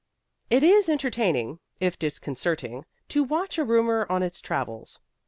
It is entertaining, if disconcerting, to watch a rumor on its travels.